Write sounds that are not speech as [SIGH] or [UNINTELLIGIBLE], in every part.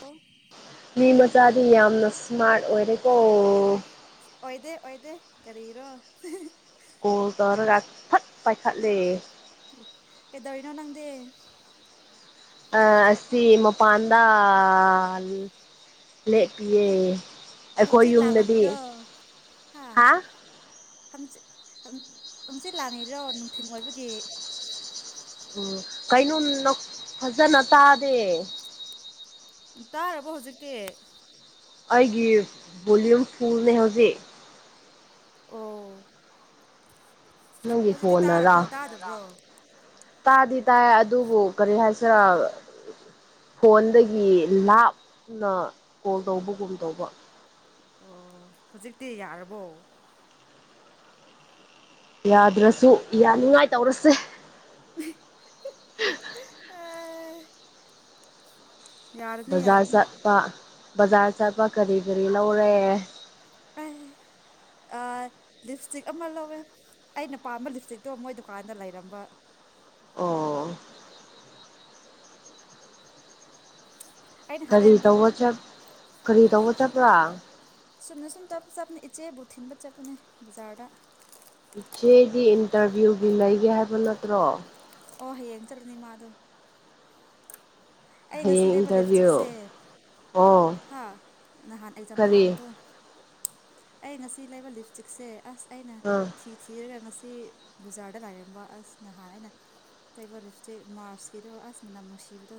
ꯑꯣ [UNINTELLIGIBLE] ꯃꯤ ꯃꯆꯥꯗꯤ ꯌꯥꯝꯅ ꯁ꯭ꯃꯥꯔꯠ ꯑꯣꯏꯔꯦꯀꯣ ꯏꯁ ꯑꯣꯏꯗꯦ ꯑꯣꯏꯗꯦ ꯀꯔꯤꯔꯣ ꯀꯣꯜ ꯇꯧꯔꯒ ꯐꯠ ꯄꯥꯏꯈꯠꯂꯦ ꯀꯩꯗꯧꯔꯤꯅꯣ ꯅꯪꯗꯦ ꯑꯥ ꯑꯁꯤ ꯃꯄꯥꯟꯗ ꯂꯦꯛꯄꯤꯌꯦ ꯍꯪꯆꯤꯠ ꯂꯥꯡꯉꯝꯃꯤꯔꯣ ꯍꯥ ꯍꯪꯆꯤꯠ ꯍꯪꯆꯤꯠ ꯂꯥꯡꯉꯤꯔꯣ ꯅꯨꯡꯊꯤꯟ ꯑꯣꯏꯕꯒꯤ ꯎꯝ ꯀꯩꯅꯣꯝ ꯐꯖꯅ ꯇꯥꯗꯦ ꯇꯥꯔꯕꯣ ꯍꯧꯖꯤꯛꯇꯤ ꯑꯩꯒꯤ ꯕꯣꯂꯨꯝ ꯐꯨꯜꯅꯦ ꯍꯧꯖꯤꯛ ꯑꯣ ꯅꯪꯒꯤ ꯍꯧꯖꯤꯛꯇꯤ ꯐꯣꯟꯅꯔꯥ ꯇꯥꯔꯕꯣ ꯇꯥꯗꯕ꯭ꯔꯣ ꯇꯥꯗꯤ ꯇꯥꯏ ꯑꯗꯨꯕꯨ ꯀꯔꯤ ꯍꯥꯏꯁꯤꯔ ꯐꯣꯟꯗꯒꯤ ꯂꯥꯞ-ꯅ ꯀꯣꯜ ꯇꯧꯕꯒꯨꯝ ꯇꯧꯕ ꯑꯣ ꯍꯧꯖꯤꯛꯇꯤ ꯌꯥꯔꯕꯣ ꯌꯥꯗ꯭ꯔꯁꯨ ꯌꯥꯅꯤꯡꯉꯥꯏ ꯇꯧꯔꯁꯦ [UNINTELLIGIBLE] ꯌꯥꯔꯅꯤ ꯕꯖꯥꯔ ꯌꯥꯔꯅꯤ ꯆꯠꯄ ꯕꯖꯥꯔ ꯆꯠꯄ ꯀꯔꯤ ꯀꯔꯤ ꯂꯧꯔꯦ ꯑꯩ ꯑꯥꯏ ꯂꯤꯞꯁꯇꯤꯛ ꯑꯃ ꯂꯧꯋꯦ ꯑꯩꯅ ꯄꯥꯝꯕ ꯂꯤꯞꯁꯇꯤꯛꯇꯣ ꯃꯣꯏ ꯗꯨꯀꯥꯟꯗ ꯂꯩꯔꯝꯕ ꯑꯣ ꯑꯩꯅ ꯍꯥꯟꯅ ꯀꯔꯤ ꯂꯩꯔꯝꯕ ꯇꯧꯕ ꯆꯞ ꯀꯔꯤ ꯇꯧꯕ ꯆꯠꯄ꯭ꯔꯥ ꯆꯨꯝꯅ ꯁꯨꯝ ꯇꯞ ꯆꯞꯄꯅꯦ ꯏꯆꯦꯕꯨ ꯊꯤꯟꯕ ꯆꯠꯄꯅꯦ ꯕꯖꯥꯔꯗ ꯏꯆꯦꯒꯤ ꯏꯟꯇꯔꯚ꯭ꯌꯨꯒꯤ ꯂꯩꯒꯦ ꯍꯥꯏꯕ ꯅꯠꯇ꯭ꯔꯣ ꯑꯣ ꯍꯌꯦꯡ ꯆꯠꯂꯨꯅꯤ ꯃꯥꯗꯨ ꯑꯩ ꯉꯁꯤ ꯍꯌꯦꯡ ꯂꯩꯕ ꯂꯤꯞꯁꯇꯤꯛꯁꯦ ꯏꯟꯇꯔꯚꯤꯌꯨ ꯑꯣ ꯍꯥ ꯅꯍꯥꯟ ꯑꯦꯛꯖꯥꯝ ꯀꯔꯤ ꯊꯥꯕꯗꯣ ꯑꯩ ꯉꯁꯤ ꯂꯩꯕ ꯂꯤꯞꯁꯇꯤꯛꯁꯦ ꯑꯁ ꯑꯩꯅ ꯑꯥ ꯊꯤ ꯊꯤꯔꯒ ꯉꯁꯤ ꯕꯖꯥꯔꯗ ꯂꯥꯏꯔꯝꯕ ꯑꯁ ꯅꯍꯥꯟ ꯑꯩꯅ ꯇꯩꯕ ꯂꯤꯞꯁꯇꯤꯛ ꯃꯥꯔꯁꯀꯤꯗꯣ ꯑꯁ ꯃꯅꯥꯝ ꯅꯨꯡꯁꯤꯕꯗꯣ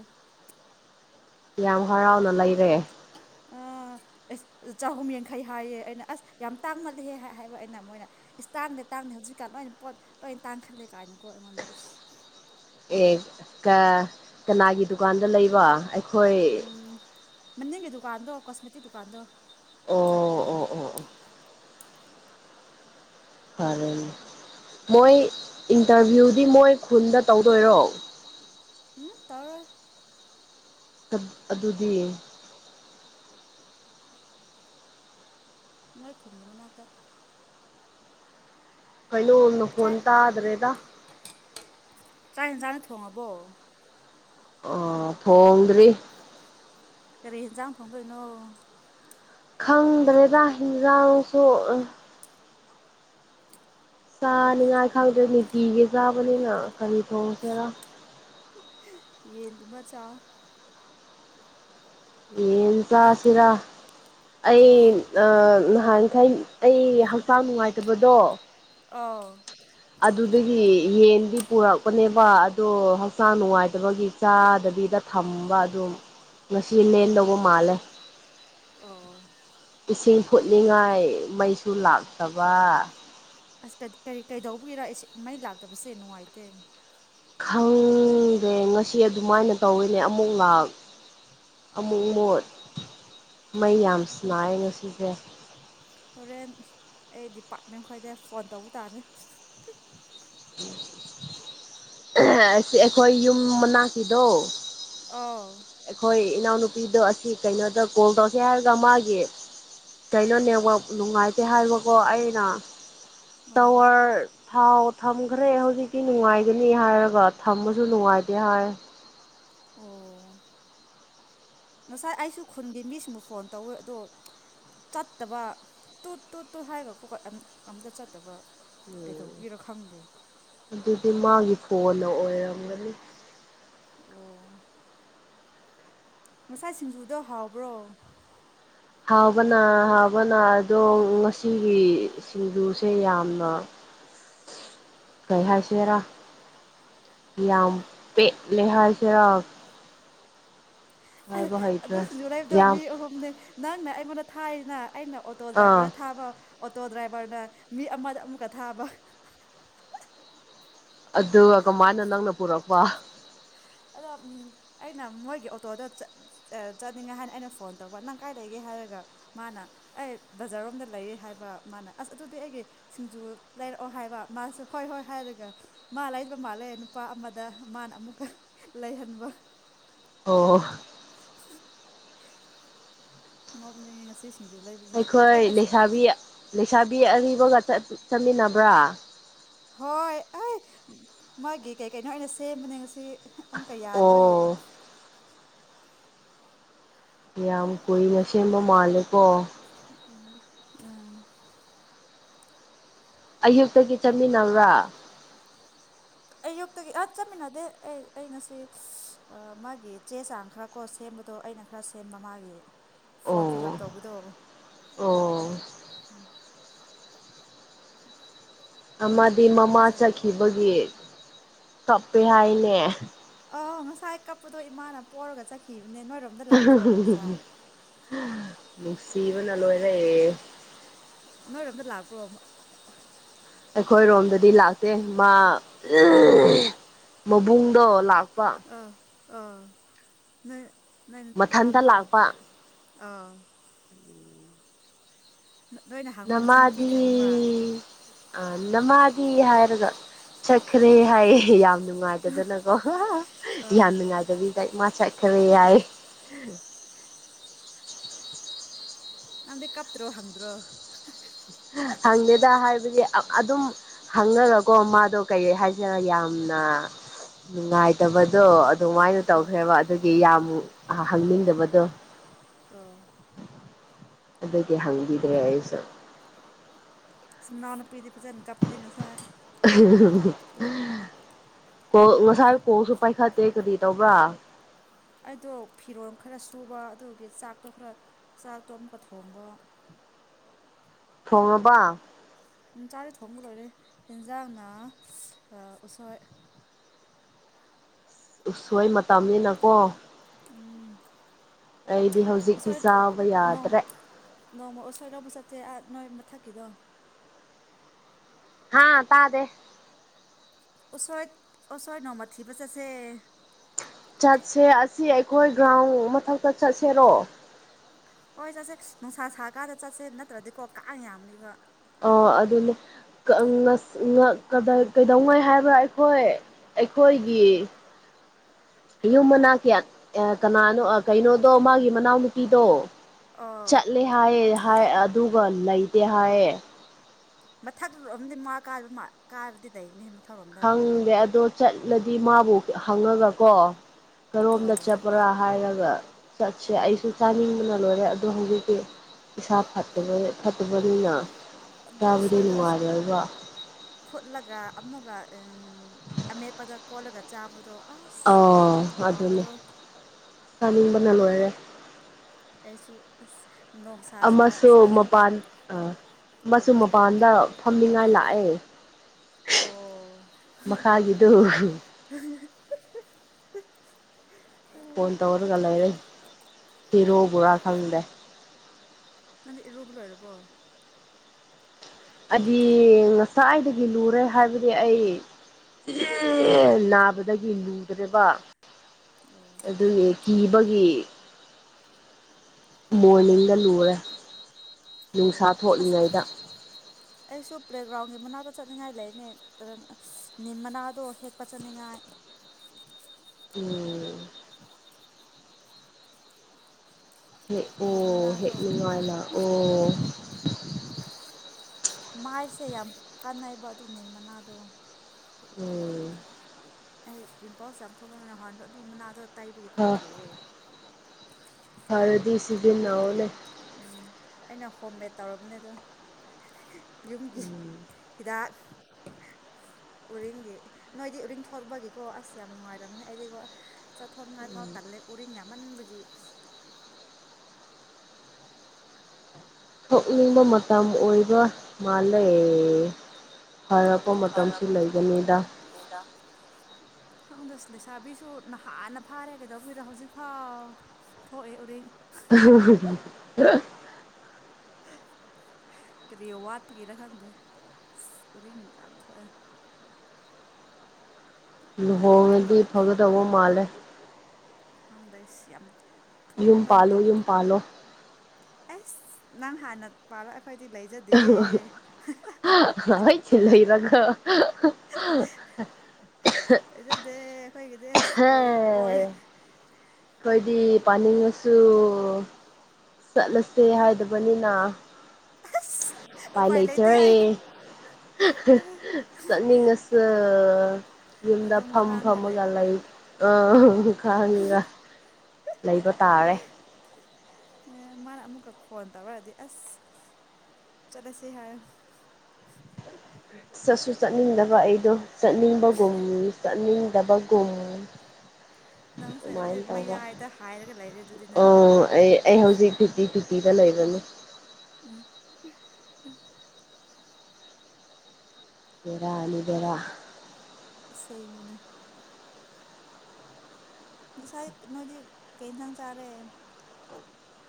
ꯌꯥꯝ ꯍꯔꯥꯎꯅ ꯂꯩꯔꯦ ꯑ ꯑꯦꯁ ꯑ ꯆꯍꯨꯝ ꯌꯥꯡꯈꯩ ꯍꯥꯏꯌꯦ ꯑꯩꯅ ꯑꯁ ꯌꯥꯝ ꯇꯥꯡꯃꯜꯂꯦꯍꯦ ꯍꯥꯏ ꯍꯥꯏꯕ ꯑꯩꯅ ꯃꯣꯏꯅ ꯏꯁ ꯇꯥꯡꯗꯦ ꯇꯥꯡꯗꯦ ꯍꯧꯖꯤꯛꯀꯥꯟ ꯂꯣꯏꯅ ꯄꯣꯠ ꯂꯣꯏꯟ ꯇꯥꯡꯈꯠꯂꯦ ꯀꯥꯏꯅꯀꯣ ꯑꯩꯉꯣꯟꯗ ꯏꯁ ꯑꯦ ꯀ ꯀꯅꯥꯒꯤ ꯗꯨꯀꯥꯟꯗ ꯂꯩꯕ ꯑꯩꯈꯣꯏ ꯎꯝ ꯃꯅꯤꯡꯒꯤ ꯗꯨꯀꯥꯟꯗꯣ ꯀꯣꯁꯃꯦꯇꯤꯛ ꯗꯨꯀꯥꯟꯗꯣ ꯑꯣ ꯑꯣ ꯑꯣ ꯑꯣ ꯐꯥꯔꯦꯅꯦ ꯃꯣꯏ ꯏꯟꯇꯔꯚ꯭ꯌꯨꯗꯤ ꯃꯣꯏ ꯈꯨꯟꯗ ꯇꯧꯗꯣꯏꯔꯣ ꯎꯝ ꯇꯧꯔꯣꯏ ꯆꯞ ꯑꯗꯨꯗꯤ [INAUDIBLE] ꯃꯣꯏ ꯈꯨꯟꯒꯤ ꯃꯅꯥꯛꯇ ꯀꯩꯅꯣ ꯅꯈꯣꯟ ꯆꯥꯛ ꯇꯥꯗ꯭ꯔꯦꯗ ꯆꯥꯛ ꯑꯦꯟꯖꯥꯡ ꯊꯣꯡꯉꯕꯣ ꯑꯣ ꯊꯣꯡꯗ꯭ꯔꯤ ꯀꯔꯤ ꯑꯦꯟꯖꯥꯡ ꯊꯣꯡꯗꯣꯏꯅꯣ ꯈꯪꯗ꯭ꯔꯦꯗ ꯍꯤꯟꯖꯥꯡꯁꯨ ꯆꯥꯅꯤꯡꯉꯥꯏ ꯈꯪꯗ꯭ꯔꯦ ꯅꯤꯡꯇꯤꯒꯤ ꯆꯥꯕꯅꯤꯅ ꯀꯔꯤ ꯊꯣꯡꯁꯦꯔꯥ ꯌꯦꯟꯒꯨꯝꯕ ꯆꯥꯎ ꯌꯦꯟ ꯆꯥꯁꯤꯔ ꯑꯩ-ꯅ ꯅꯍꯥꯟꯈꯩ ꯑꯩ ꯍꯛꯆꯥꯡ ꯅꯨꯡꯉꯥꯏꯇꯕꯗꯣ ꯑꯥꯎ ꯑꯗꯨꯗꯒꯤ ꯌꯦꯟꯗꯤ ꯄꯨꯔꯛꯄꯅꯦꯕ ꯑꯗꯣ ꯍꯛꯆꯥꯡ ꯅꯨꯡꯉꯥꯏꯇꯕꯒꯤ ꯆꯥꯗꯕꯤꯗ ꯊꯝꯕ ꯑꯗꯨꯝ ꯉꯁꯤ ꯂꯦꯟꯗꯧꯕ ꯃꯥꯜꯂꯦ ꯑꯣ ꯏꯁꯤꯡ ꯐꯨꯠꯅꯤꯡꯉꯥꯏ ꯃꯩꯁꯨ ꯂꯥꯛꯇꯕ ꯑꯁ ꯀꯩꯠ ꯀꯔꯤ ꯀꯩꯗꯧꯕꯒꯤꯔ ꯑꯦꯁꯤ ꯃꯩ ꯂꯥꯛꯇꯕꯁꯦ ꯅꯨꯡꯉꯥꯏꯇꯦ ꯈꯪꯗꯦ ꯉꯁꯤ ꯑꯗꯨꯃꯥꯏꯅ ꯇꯧꯏꯅꯦ ꯑꯃꯨꯛ ꯂꯥꯛ ꯑꯃꯨꯛ ꯃꯨꯠ ꯃꯩ ꯌꯥꯝ ꯁꯥꯟꯅꯥꯩꯌꯦ ꯉꯁꯤꯁꯦ ꯍꯣꯔꯦꯟ ꯑꯩ ꯗꯤꯄꯥꯔꯠꯃꯦꯟ ꯈꯣꯏꯗ ꯐꯣꯟ ꯇꯧꯕ ꯇꯥꯔꯦ ꯑꯁꯤ ꯑꯩꯈꯣꯏ ꯌꯨꯝ ꯃꯅꯥꯛꯀꯤꯗꯣ ꯑꯥ ꯍꯣꯏ ꯏꯅꯥꯎꯅꯨꯄꯤꯗꯣ ꯑꯁꯤ ꯀꯩꯅꯣꯗ ꯀꯣꯜ ꯇꯧꯔꯀꯦ ꯍꯥꯏꯔꯒ ꯃꯥꯒꯤ ꯀꯩꯅꯣ ꯅꯦꯠꯋꯥꯛ ꯅꯨꯡꯉꯥꯏꯇꯦ ꯍꯥꯏꯕꯀꯣ ꯑꯩꯅ ꯑꯣ ꯇꯋꯥ꯭ꯔ ꯊꯥꯎ ꯊꯝꯈ꯭ꯔꯦ ꯍꯧꯖꯤꯛꯇꯤ ꯅꯨꯡꯉꯥꯏꯒꯅꯤ ꯍꯥꯏꯔꯒ ꯊꯝꯕꯁꯨ ꯅꯨꯡꯉꯥꯏꯇꯦ ꯍꯥꯏ ꯑꯣ [INAUDIBLE] ꯉꯁꯥꯏ ꯑꯩꯁꯨ ꯈꯨꯟꯒꯤ ꯃꯤꯁꯤꯡꯕꯨ ꯐꯣꯟ ꯇꯧꯋꯦ ꯑꯗꯣ ꯆꯠꯇꯕ ꯇꯨꯠ ꯇꯨꯠ ꯇꯨꯠ ꯍꯥꯏꯔꯒꯀꯣ ꯑꯝꯇ ꯆꯠꯇꯕ ꯎꯝ ꯀꯩꯇꯧꯕꯩꯔ ꯈꯪꯗꯦ ꯑꯗꯨꯗꯤ ꯃꯥꯒꯤ ꯐꯣꯟꯅ ꯑꯣꯏꯔꯝꯒꯅꯤ ꯑꯣ ꯉꯁꯥꯏ ꯁꯤꯡꯖꯨꯗꯣ ꯍꯥꯎꯕ꯭ꯔꯣ ꯍꯥꯎꯕꯅ ꯍꯥꯎꯕꯅ ꯑꯗꯣ ꯉꯁꯤꯒꯤ ꯁꯤꯡꯖꯨꯁꯦ ꯌꯥꯝꯅ ꯀꯩ ꯍꯥꯏꯁꯤꯔꯥ ꯌꯥꯝ ꯄꯦꯠꯂꯦ ꯍꯥꯏꯁꯤꯔ ꯑꯗꯨ ꯍꯩꯇ꯭ꯔꯦ ꯁꯤꯡꯖꯨ ꯂꯩꯕꯗꯣ ꯌꯥꯝ ꯃꯤ ꯑꯍꯨꯝꯅꯤ ꯅꯪꯅ ꯑꯩꯉꯣꯟꯗ ꯊꯥꯏꯗꯅ ꯑꯩꯅ ꯑꯣ ꯑꯣꯇꯣ ꯑꯥ ꯗ꯭ꯔꯥꯏꯚꯔꯅ ꯊꯥꯕ ꯑꯣꯇꯣ ꯗ꯭ꯔꯥꯏꯚꯔꯅ ꯃꯤ ꯑꯃꯗ ꯑꯃꯨꯛꯀ ꯊꯥꯕ ꯑꯗꯨꯒ ꯀꯃꯥꯏꯟꯅ ꯅꯪꯅ ꯄꯨꯔꯛꯄ ꯑꯩꯅ ꯃꯣꯏꯒꯤ ꯑꯣꯇꯣꯗ ꯆꯠ ꯆꯠꯅꯤꯡꯉꯥꯏ ꯍꯥꯏꯅ ꯑꯩꯅ ꯐꯣꯟ ꯇꯧꯕ ꯅꯪ ꯀꯥꯏ ꯂꯩꯒꯦ ꯍꯥꯏꯔꯒ ꯃꯥꯅ ꯑꯩ ꯕꯖꯥꯔꯔꯣꯝꯗ ꯂꯩꯌꯦ ꯍꯥꯏꯕ ꯃꯥꯅ ꯑꯁ ꯑꯗꯨꯗꯤ ꯑꯩꯒꯤ ꯁꯤꯡꯖꯨ ꯂꯩꯔꯛꯑꯣ ꯍꯥꯏꯕ ꯃꯥꯁꯨ ꯍꯣꯏ ꯍꯣꯏ ꯍꯥꯏꯔꯒ ꯃꯥ ꯂꯩꯕ ꯃꯥꯜꯂꯦ ꯅꯨꯄꯥ ꯑꯃꯗ ꯃꯥꯅ ꯑꯃꯨꯛꯀ ꯂꯩꯍꯟꯕ ꯑꯣ ꯅꯣꯛꯅꯤꯡꯉꯦ ꯉꯁꯤ ꯁꯤꯡꯖꯨ ꯂꯩꯕꯁꯦ ꯑꯩ ꯑꯩꯈꯣꯏ ꯑꯁ ꯂꯩꯁꯥꯕꯤ ꯂꯩꯁꯥꯕꯤ ꯑꯔꯤꯕꯒ ꯆꯠ ꯆꯠꯃꯤꯟꯅꯕ꯭ꯔꯥ ꯍꯣꯏ ꯑꯩ ꯃꯥꯒꯤ ꯀꯩ ꯀꯩꯅꯣ ꯑꯩꯅ ꯁꯦꯝꯕꯅꯦ ꯉꯁꯤ ꯑꯃꯨꯛꯀ ꯌꯥꯗꯕꯒꯤ ꯑꯣ ꯌꯥꯝ ꯀꯨꯏꯅ ꯁꯦꯝꯕ ꯃꯥꯜꯂꯦꯀꯣ [UNINTELLIGIBLE] ꯑꯌꯨꯛꯇꯒꯤ ꯆꯠꯃꯤꯟꯅꯕ꯭ꯔꯥ ꯑꯌꯨꯛꯇꯒꯤ ꯑꯥ ꯆꯠꯃꯤꯟꯅꯗꯦ ꯑꯩ ꯑꯩ ꯉꯁꯤ ꯃꯥꯒꯤ ꯆꯦ ꯆꯥꯡ ꯈꯔ ꯀꯣ ꯁꯦꯝꯕꯗꯣ ꯑꯩꯅ ꯈꯔ ꯁꯦꯝꯕ ꯃꯥꯒꯤ ꯐꯣꯃꯝ ꯐꯤꯜ ꯎꯞ ꯑꯣ ꯇꯧꯕꯗꯣ ꯑꯣ ꯑꯝ ꯑꯃꯗꯤ ꯃꯃꯥ ꯋꯥꯆ ꯆꯠꯈꯤꯕꯒꯤ ꯀꯞꯄꯦ ꯍꯥꯏꯅꯦ ꯑꯥ ꯉꯁꯥꯏ ꯀꯞꯄꯗꯣ ꯏꯃꯥꯅ ꯄꯣꯛꯔꯒ ꯆꯠꯈꯤꯕꯅꯦ ꯅꯣꯏꯔꯣꯝ ꯅꯨꯡꯁꯤꯕꯅ ꯂꯣꯏꯔꯦ ꯅꯣꯏꯔꯣꯝꯗ ꯂꯥꯛꯄ꯭ꯔꯣꯕ ꯑꯩꯈꯣꯏꯔꯣꯝꯗꯗꯤ ꯂꯥꯛꯇꯦ ꯃꯥ [UNINTELLIGIBLE] ꯃꯕꯨꯡꯗꯣ ꯂꯥꯛꯄ ꯑꯥ ꯑꯥ ꯅꯣꯏ ꯅꯣꯏ ꯅꯅꯥꯎꯅꯨ ꯃꯊꯟꯇ ꯄꯥꯕꯨ ꯂꯥꯛꯄ ꯑꯥ [UNINTELLIGIBLE] ꯂꯣꯏꯅ ꯅꯃꯥꯗꯤ ꯑꯥ ꯅꯃꯥꯗꯤ ꯍꯥꯏꯔꯒ ꯆꯠꯈ꯭ꯔꯦ ꯍꯥꯏꯌꯦ ꯌꯥꯝ ꯅꯨꯡꯉꯥꯏꯇꯗꯅꯀꯣ ꯑꯥ ꯌꯥꯝ ꯅꯨꯡꯉꯥꯏꯇꯕꯤꯗꯥ ꯏꯃꯥ ꯆꯠꯈ꯭ꯔꯦ ꯍꯥꯏꯌꯦ [INAUDIBLE] ꯅꯪꯗꯤ ꯀꯞꯇ꯭ꯔꯣ ꯍꯪꯗ꯭ꯔꯣ ꯍꯪꯉꯦꯗ ꯍꯥꯏꯕꯗꯤ ꯑ ꯑꯗꯨꯝ ꯍꯪꯉꯒꯀꯣ ꯃꯥꯗꯣ ꯀꯩ ꯍꯥꯏꯁꯤꯔꯥ ꯌꯥꯝꯅ ꯅꯨꯡꯉꯥꯏꯇꯕꯗꯣ ꯑꯗ ꯗꯨꯃꯥꯏꯅ ꯑꯧ ꯇꯧꯈ꯭ꯔꯦꯕ ꯑꯗꯨꯒꯤ ꯌꯥꯝ ꯍ ꯍꯪꯅꯤꯡꯗꯕꯗꯣ ꯑꯥ ꯑꯗꯨꯒꯤ ꯍꯪꯕꯤꯗ꯭ꯔꯦ ꯑꯩꯁꯨ ꯃꯅꯥꯎ ꯅꯨꯄꯤꯗꯤ ꯐꯖꯅ ꯀꯞꯄꯗꯤ ꯉꯁꯥꯏ [UNINTELLIGIBLE] ꯀꯣꯜ ꯉꯁꯥꯏ ꯀꯣꯜꯁꯨ ꯄꯥꯏꯈꯠꯇꯦ ꯀꯔꯤ ꯇꯧꯕ꯭ꯔꯥ ꯑꯩꯗꯣ ꯐꯤꯔꯣꯜ ꯈꯔ ꯁꯨꯕ ꯑꯗꯨꯒꯤ ꯆꯥꯛꯇꯣ ꯈꯔ ꯆꯥꯛꯇꯣ ꯑꯃꯨꯛꯀ ꯊꯣꯡꯕ ꯊꯣꯡꯉꯕ ꯎꯝ ꯆꯥꯛꯗꯤ ꯊꯣꯡꯕ ꯂꯣꯏꯔꯦ ꯍꯦꯟꯖꯥꯡꯅ ꯑꯥ ꯎꯁꯣꯏ ꯎꯁꯣꯏ ꯃꯇꯝꯅꯤꯅꯀꯣ ꯎꯝ ꯑꯩꯗꯤ ꯍꯧꯖꯤꯛꯇꯤ ꯎꯁꯣꯏ ꯆꯥꯕ ꯅꯣꯡ ꯌꯥꯗ꯭ꯔꯦ ꯅꯣꯡꯃ ꯎꯁꯣꯏ ꯂꯧꯕ ꯆꯠꯇꯦ ꯑꯥ ꯅꯣꯏ ꯃꯊꯛꯀꯤꯗꯣ ꯍꯥꯥ ꯇꯥꯗꯦ ꯎꯁꯣꯏ ꯎꯁꯣꯏ ꯅꯣꯡꯃ ꯊꯤꯕ ꯆꯠꯁꯦ ꯆꯠꯁꯦ ꯑꯁꯤ ꯑꯩꯈꯣꯏ ꯒ꯭ꯔꯥꯎꯟ ꯃꯊꯛꯇ ꯆꯠꯁꯦꯔꯣ ꯍꯣꯏ ꯆꯠꯁꯦ ꯅꯨꯡꯁꯥ ꯁꯥ ꯀꯥꯟꯗ ꯆꯠꯁꯦ ꯅꯠꯇ꯭ꯔꯗꯤꯀꯣ ꯀꯥꯡ ꯌꯥꯝꯅꯤꯕ ꯑꯣ ꯑꯗꯨꯅꯦ ꯀ ꯑꯪ ꯉꯁ ꯎꯪ ꯉ ꯀꯗꯥꯏ ꯀꯩꯗꯧꯉꯩ ꯍꯥꯏꯕ꯭ꯔꯥ ꯑꯩꯈꯣꯏ ꯑꯩꯈꯣꯏꯒꯤ ꯌꯨꯝ ꯃꯅꯥꯀꯤ ꯑꯥ ꯀꯅꯥꯅꯣ ꯑ ꯀꯩꯅꯣꯗꯣ ꯃꯥꯒꯤ ꯃꯅꯥꯎꯅꯨꯄꯤꯗꯣ ꯑꯣ ꯆꯠꯂꯦ ꯍꯥꯏꯌꯦ ꯍꯥꯏ ꯑꯗꯨꯒ ꯂꯩꯇꯦ ꯍꯥꯏꯌꯦ ꯃꯊꯛꯔꯣꯝꯗꯤ ꯃꯥ ꯀꯥꯗꯕ ꯃꯥ ꯀꯥꯔꯗꯤ ꯂꯩꯒꯅꯤ ꯃꯠ ꯈꯪꯗꯦ ꯑꯗꯣ ꯆꯠꯂꯗꯤ ꯃꯥꯕꯨ ꯍꯪꯉꯒ ꯀꯣ ꯀꯔꯣꯝꯗ ꯑꯣ ꯆꯠꯄ꯭ꯔꯥ ꯍꯥꯏꯔꯒ ꯆꯠꯁꯦ ꯑꯩꯁꯨ ꯆꯥꯅꯤꯡꯕꯅ ꯂꯣꯏꯔꯦ ꯑꯗꯣ ꯍꯧꯖꯤꯛꯇꯤ ꯏꯁꯥ ꯐꯠꯇꯕꯒꯤ ꯐꯠꯇꯕꯅꯤꯅ ꯑꯗꯨ ꯆꯥꯕꯗꯨ ꯎꯁꯣꯏꯗꯣ ꯑꯁ ꯅꯨꯡꯉꯥꯏꯔꯣꯏꯕ ꯐꯨꯠꯂꯒ ꯑꯃꯨꯛꯀ ꯑꯦꯡ ꯑꯃꯦꯠꯄꯗ ꯀꯣꯠꯂꯒ ꯆꯥꯕꯗꯣ ꯑꯁ ꯑꯣ ꯑꯗꯨꯅꯦ ꯍꯥꯎꯕꯗꯣ ꯆꯥꯅꯤꯡꯕꯅ ꯂꯣꯏꯔꯦ ꯑꯩꯁꯨ ꯑꯁ ꯅꯣꯡꯁꯥ ꯑꯃꯁꯨ ꯁꯥꯁꯦ ꯃꯄꯥꯟ ꯑꯥ ꯑꯃꯁꯨ ꯃꯄꯥꯟꯗ ꯐꯝꯅꯤꯡꯉꯥꯏ ꯂꯥꯛꯑꯦ ꯑꯣ ꯃꯈꯥꯒꯤꯗꯨ [UNINTELLIGIBLE] ꯐꯣꯟ ꯇꯧꯔꯒ ꯂꯩꯔꯦ ꯍꯤꯔꯣꯕꯨꯔꯥ ꯈꯪꯗꯦ ꯅꯪꯗꯤ ꯏꯔꯨꯕ ꯂꯣꯏꯔꯕꯣ ꯑꯩꯗꯤ ꯉꯁꯥꯏꯗꯒꯤ ꯂꯨꯔꯦ ꯍꯥꯏꯕꯗꯤ ꯑꯩ ꯅꯥꯕꯗꯒꯤ ꯂꯨꯗ꯭ꯔꯦꯕ ꯑꯣ ꯑꯗꯨꯒꯤ ꯀꯤꯕꯒꯤ ꯃꯣꯔꯅꯤꯡꯗ ꯂꯨꯔꯦ ꯑꯣ ꯅꯨꯡꯁꯥ ꯑꯁ ꯊꯣꯛꯂꯤꯉꯩꯗ ꯑꯩꯁꯨ ꯄ꯭ꯂꯦꯒ꯭ꯔꯥꯎꯟꯒꯤ ꯃꯅꯥꯛꯇ ꯆꯠꯅꯤꯡꯉꯥꯏ ꯂꯩꯅꯦ꯫ ꯅꯤꯝ ꯃꯅꯥꯗꯣ ꯍꯦꯛꯄ ꯆꯠꯅꯤꯡꯉꯥꯏ꯫ ꯎꯝ꯫ ꯍꯦꯛ ꯅꯤꯝ ꯑꯣ ꯃꯅꯥꯗꯣ ꯍꯦꯛꯅꯤꯡꯉꯥꯏꯅ ꯂꯥꯛꯑꯣ꯫ ꯃꯥꯏꯁꯦ ꯌꯥꯝ ꯀꯥꯟꯅꯩꯕ ꯑꯗꯨꯢ ꯅꯤꯝ ꯃꯅꯥꯗꯣ꯫ ꯎꯝ꯫ ꯑꯩ ꯄꯤꯝꯄꯜꯁ ꯌꯥꯝ ꯊꯣꯛꯄꯗꯣ ꯍꯥꯎꯍꯟꯂꯣ ꯑꯗꯨ ꯃꯅꯥꯗꯣ ꯇꯩꯕꯒꯤ ꯈꯔ ꯐꯩꯌꯦ꯫ ꯐꯔꯗꯤ ꯁꯤꯖꯤꯟꯅꯧꯑꯣꯅꯦ꯫ ꯎꯝ ꯑꯩꯅ ꯍꯣꯝ ꯃꯦꯠ ꯇꯧꯔꯕꯅꯦꯗꯣ꯫ ꯌꯨꯝꯒꯤ ꯎꯝ ꯍꯤꯗꯥꯛ꯫ [UNINTELLIGIBLE] ꯎꯔꯤꯡꯒꯤ ꯅꯣꯏꯗꯤ ꯎꯔꯤꯡ ꯊꯣꯔꯛꯄꯒꯤꯀꯣ ꯑꯁ ꯌꯥꯝ ꯅꯨꯡꯉꯥꯏꯔꯝꯅꯤ ꯑꯩꯗꯤꯀꯣ ꯆꯠꯊꯣꯛꯉꯥꯏꯐꯥꯎ ꯇꯜꯂꯦ ꯎꯔꯤꯡ ꯌꯥꯝꯃꯟꯕꯒꯤ꯫ ꯊꯣꯛꯅꯤꯡꯕ ꯃꯇꯝ ꯑꯣꯏꯕ ꯃꯥꯜꯂꯦ꯫ ꯐꯔꯛꯄ ꯃꯇꯝꯁꯨ ꯂꯩꯒꯅꯤꯗ꯫ ꯅꯤꯗ꯫ [UNINTELLIGIBLE] ꯈꯪꯗꯦ ꯂꯩꯁꯥꯕꯤꯁꯨ ꯅꯍꯥꯟꯅ ꯐꯥꯔꯦ ꯀꯩꯗꯧꯕꯩꯔ ꯍꯧꯖꯤꯛꯐꯥꯎ ꯊꯣꯛꯑꯦ ꯎꯔꯤꯡ꯫ [INAUDIBLE] ꯀꯔꯤ ꯋꯥꯠꯄꯒꯤꯔ ꯈꯪꯗꯦ ꯑꯁ ꯎꯔꯤꯡ ꯉꯥꯛꯇ ꯊꯣꯛꯑꯦ꯫ ꯂꯨꯍꫭꯡꯉꯗꯤ ꯐꯒꯗꯕ ꯃꯜꯂ‌ꯦ꯫ ꯈꯪꯗ‌ꯦ ꯌꯥꯝ ꯌꯨꯝ ꯊꯣꯛꯅꯤꯡꯕ ꯄꯥꯜꯂꯣ ꯃꯇꯝꯗ ꯌꯨꯝ ꯊꯣꯛ꯫ ꯄꯥꯜꯂꯣ ꯑꯁ ꯅꯪ ꯍꯥꯟꯅ꯫ [UNINTELLIGIBLE] ꯈꫭꯏꯗꯤ ꯂꯩꯖꯠ ꯍꯠ ꯂꯩꯔꯒ꯫ ꯂꯩꯖꯗꯦ ꯑꯩꯈꯣꯏꯒꯤꯗꯤ ꯑꯣꯏ ꯑꯣꯏ꯫ ꯑꯈꫭꯏꯗꯤ ꯄꯥꯅꯤꯡꯉꯁꯨ ꯆꯠꯂꯁꯦ ꯍꯥꯏꯗꯕꯅꯤꯅ ꯑꯁ ꯎꯄꯥꯢ ꯎꯄꯥꯏ ꯂꯩꯇꯦ ꯂꯩꯇꯔ‌ꯦ꯫ ꯍꯥꯏꯌꯣ ꯆꯠꯅꯤꯡꯉꯁꯨ ꯌꯨꯝꯗ ꯑꯗꯨꯝ ꯐꯝ ꯈꯥꯡꯉꯒ ꯐꯝꯃꯒ ꯂꯩ꯫ ꯎꯝ ꯈꯥꯡꯉꯒ ꯂꯩꯕ ꯇꯥꯔꯦ꯫ ꯑꯦ ꯃꯥꯅ ꯑꯃꯨꯛꯀ ꯐꯣꯟ ꯇꯧꯔꯛꯑꯗꯤ ꯑꯁ ꯆꯠꯂꯁꯦ ꯍꯥꯏꯌꯣ꯫ ꯆꯠꯁꯨ ꯆꯠꯅꯤꯡꯗꯕ ꯑꯩꯗꯣ ꯆꯠꯅꯤꯡꯕꯒꯨꯝ ꯆꯠꯅꯤꯡꯗꯕꯒꯨꯝ ꯅꯪꯁꯦ ꯑꯗꯨꯗꯤ ꯑꯗꯨꯃꯥꯏꯅ ꯇꯧꯕ ꯃꯌꯥꯏꯗ ꯍꯥꯏꯔꯒ ꯂꯩꯔꯦ ꯑꯗꯨꯗꯤ ꯅꯪ ꯑꯥ ꯑꯩ ꯑꯩ ꯍꯧꯖꯤꯛ ꯐꯤꯞꯇꯤ-ꯐꯤꯞꯇꯤꯗ ꯂꯩꯕꯅꯤ꯫ [UNINTELLIGIBLE] ꯕ‌ꯦꯔꯅꯤ ꯕ‌ꯦꯔꯥ꯫ ꯑꯁ‌ꯦꯡꯕꯅꯦ꯫ ꯉꯁꯥꯏ ꯅꯣꯏꯗꯤ ꯀꯩ ꯢꯟꯁꯥꯡ ꯆꯥꯔꯦ?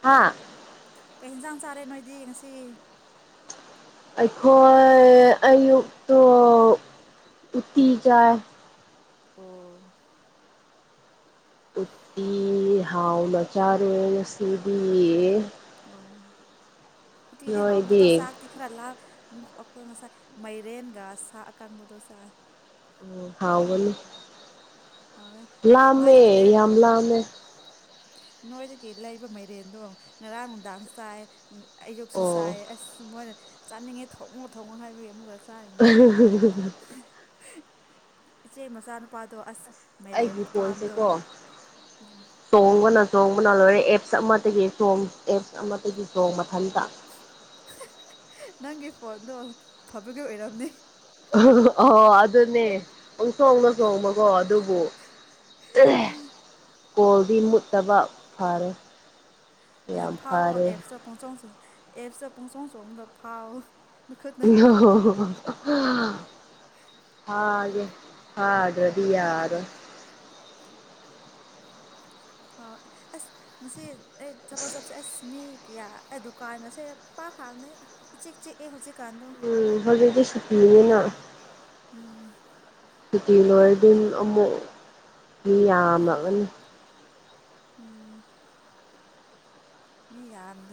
ꯍꯥꯥ? ꯀꯩ ꯍ‌ꯦꯟꯖꯥꯡ ꯆꯥꯔꯦ ꯅꯣꯏꯗꯤ ꯉꯁꯤ? ꯑꯩꯈꯣꯏ ꯑꯌꯨꯛꯛꯇꯣ ꯎꯇꯤ ꯆꯥꯏ꯫ ꯑꯣ꯫ ꯎꯠꯇꯤ ꯍꯥꯎꯅ ꯆꯥꯔꯨꯔꯦ ꯉꯥꯁꯤꯗꯤ꯫ ꯑꯧ ꯎꯇꯤꯗꯤ ꯍꯥꯎꯕꯅꯦ꯫ ꯑꯗꯣ ꯅꯣꯏꯗꯤ ꯆꯥꯛ ꯇꯤ ꯈꯔ ꯂꯥ ꯑꯩꯈꯣꯏ ꯉꯁꯥꯏ ꯃꯥꯏꯔꯦꯟꯒ ꯁꯥ ꯑꯀꯪꯕꯗꯣ ꯆꯥꯏ꯫ ꯎꯝ ꯍꯥꯎꯒꯅꯤ ꯍꯥꯎꯋꯦ ꯂꯥꯝꯃꯦ ꯅꯣꯏꯗꯒꯤ ꯂꯩ ꯌꯥꯝ ꯂꯥꯝꯃꯦ꯫ ꯅꯣꯏꯗꯒꯤ ꯂꯩꯕ ꯃꯩꯔꯦꯟꯗꯣ ꯉꯔꯥꯡ ꯅꯨꯡꯗꯥꯡ ꯆꯥꯏ ꯑꯌꯨꯛꯁꯨ ꯑꯣ ꯆꯥꯏ ꯑꯁ ꯃꯣꯏꯅ꯫ ꯆꯥꯅꯤꯡꯉꯦ ꯊꯣꯡꯉꯣ ꯊꯣꯡꯉꯣ ꯍꯥꯏꯕꯒꯤ ꯑꯃꯨꯛꯀ꯫ ꯆꯥꯔꯤꯅꯤ ꯫ [UNINTELLIGIBLE] ꯏꯆꯦ ꯃꯆꯥꯅꯨꯄꯥꯗꯣ ꯑꯁ꯫ ꯃꯥꯏꯔꯦꯝ ꯑꯩꯒꯤ ꯈꯨꯄꯝꯗꯣ ꯫ ꯐꯣꯟꯁꯦꯀꯣ ꯆꯣꯡꯕꯅ ꯆꯣꯡꯕꯅ ꯂꯣꯏꯔꯦ ꯑꯦꯞꯁ ꯑꯃꯗꯒꯤ ꯆꯣꯡ ꯑꯦꯞꯁ ꯑꯃꯗꯒꯤ ꯆꯣꯡꯕ ꯃꯊꯟꯇ꯫ ꯅꯪꯒꯤ ꯐꯣꯟꯗꯣ ꯐꯕꯒꯤ ꯑꯣꯏꯔꯝꯅꯤ꯫ ꯑꫭ ꯑꯗꯨꯅꯦ ꯄꯨꯡ ꯆꫭꯡꯗ ꯆꯣꯡꯕꯀꯣ ꯑꯗꯨꯕꯨ꯫ ꯑꯥ꯫ ꯀꯣꯜꯗꯤ ꯃꯨꯠꯇꯕ ꯐꯔꯦ꯫ ꯌꯥꯝ ꯐꯥꯎꯑꯣ ꯐꯔꯦ ꯑꯦꯞꯁꯇ ꯄꯨꯡꯆꫭꯡ ꯑꯦꯞꯁꯇ ꯄꯨꯡꯆꫭꯡꯕꯗꫭ ꯐꯥꯎꯑꯣ꯫ ꯫ [UNINTELLIGIBLE] ꯐꯥꯏꯒ‌ꯦ ꯐꯗꯔꯗꯤ ꯌꯥꯔꫭꯏ ꯐꯥ ꯑꯁ꯫ ꯉꯁꯤ ꯑꯩ ꯊꯕꯛ ꯆꯞꯁꯦ ꯑꯁ ꯃꯤ ꯀꯌꯥ ꯑꯩ ꯗꯨꯀꯥꯟꯒꯁꯦ ꯄꯥꯛ ꯍꯥꯡꯅꯩ꯫ ꯏꯆꯤꯛ ꯆꯦꯛꯑ ꯍꯧꯖꯤꯛ ꯀꯥꯟꯗꯣ ꯎꯝ ꯍꯧꯖꯤꯛꯇꯤ ꯁꯨꯇꯤꯅꯤꯅ ꯎꯝ ꯁꯨꯇꯤ ꯂꯣꯏꯔꯗꯤ ꯑꯃꯨꯛ ꯃꯤ ꯌꯥꯝꯃꯛꯑꯅꯤ ꯎꯝ ꯃꯤ ꯌꯥꯝꯗꯦ